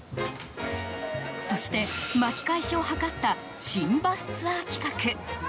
そして、巻き返しを図った新バスツアー企画。